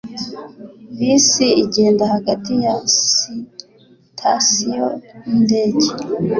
Bisi zigenda hagati ya sitasiyo nindege